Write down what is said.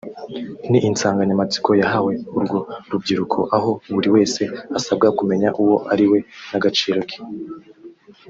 ni insanganyamatsiko yahawe urwo rubyiruko aho buri wese asabwa kumenya uwo ariwe n’agaciro ke